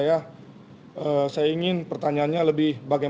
karena ini adalah tempat yang lebih besar